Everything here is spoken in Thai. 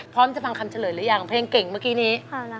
พร้อมจะฟังคำเฉลยหรือยังเพลงเก่งเมื่อกี้นี้